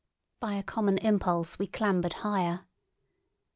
By a common impulse we clambered higher.